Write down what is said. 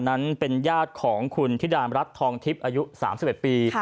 นั้นเป็นญาติของคุณธิดามรัฐทองทิพย์อายุ๓๑ปี